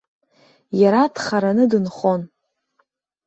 Иара дхараны дынхон.